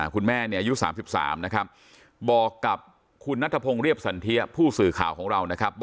คุณแม่เนี่ยอายุ๓๓นะครับบอกกับคุณนัทพงศ์เรียบสันเทียผู้สื่อข่าวของเรานะครับ